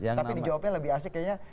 tapi di jawabnya lebih asik kayaknya